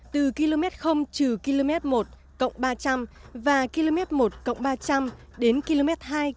từ km km một ba trăm linh và km một ba trăm linh đến km hai sáu trăm linh